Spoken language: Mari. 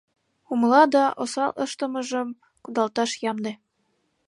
Умыла да осал ыштымыжым кудалташ ямде.